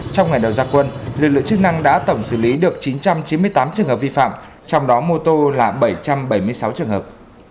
trong ngày đầu gia quân lực lượng chức năng đã tổng xử lý được chín trăm chín mươi tám trường hợp vi phạm trong đó mô tô là bảy trăm bảy mươi sáu trường hợp